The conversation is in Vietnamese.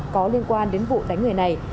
có liên quan đến vụ đánh người này